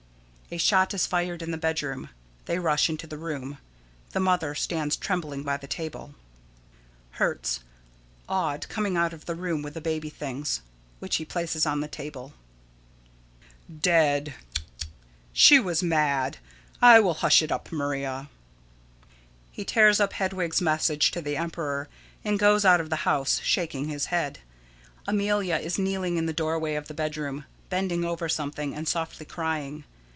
[A shot is fired in the bedroom. They rush into the room. The Mother stands trembling by the table.] Hertz: [Awed, coming out of the room with the baby things, which he places on the table.] Dead! Tcha! tcha! she was mad. I will hush it up, Maria. [_He tears up Hedwig's message to the emperor, and goes out of the house, shaking his head. Amelia is kneeling in the doorway of the bedroom, bending over something, and softly crying.